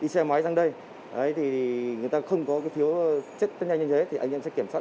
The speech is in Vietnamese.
xe máy sang đây người ta không có cái thiếu chất tân nhanh như thế thì anh em sẽ kiểm soát